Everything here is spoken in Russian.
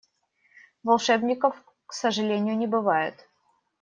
Волшебников, к сожалению, не бывает.